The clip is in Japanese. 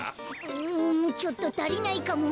うんちょっとたりないかも。